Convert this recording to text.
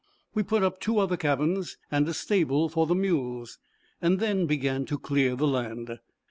We put up two other cabins, and a stable for the mules, and then began to clear land.